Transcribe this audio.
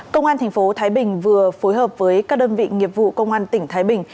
công an tp thái bình vừa phối hợp với các đơn vị nghiệp vụ công an tỉnh thái bình